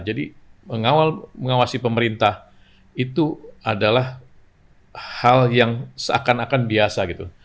jadi mengawasi pemerintah itu adalah hal yang seakan akan biasa gitu